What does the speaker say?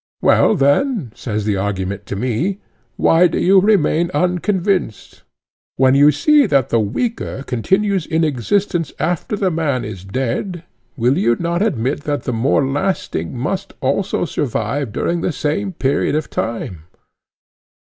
Well, then, says the argument to me, why do you remain unconvinced?—When you see that the weaker continues in existence after the man is dead, will you not admit that the more lasting must also survive during the same period of time?